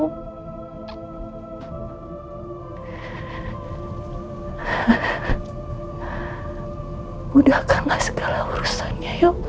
mudahkanlah segala urusannya ya allah